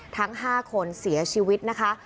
ทั้ง๕คนเสียชีวิตนะคะ